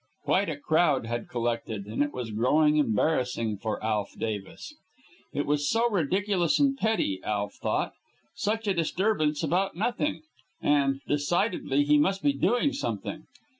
Quite a crowd had collected, and it was growing embarrassing for Alf Davis. It was so ridiculous and petty, Alf thought. Such a disturbance about nothing! And, decidedly, he must be doing something.